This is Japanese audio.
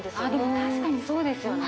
確かにそうですよね